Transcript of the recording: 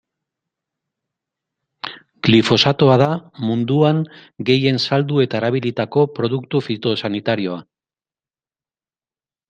Glifosatoa da munduan gehien saldu eta erabilitako produktu fitosanitarioa.